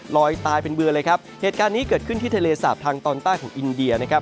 ลอยตายแบบเบื่อเหตุการณ์นี้เกิดขึ้นที่ทะเลสาบทางตอนตั้งของอินเดีย